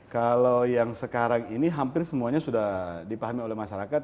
kalau yang sekarang ini hampir semuanya sudah dipahami oleh masyarakat